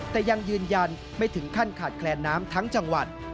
แต่ยังยืนยันไม่ถึงขั้นขาดแคลนน้ำทั้งจังหวัด